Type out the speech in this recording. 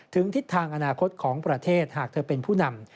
ทิศทางอนาคตของประเทศหากเธอเป็นผู้นำ